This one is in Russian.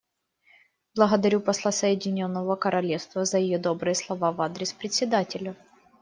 Благодарю посла Соединенного Королевства за ее добрые слова в адрес Председателя.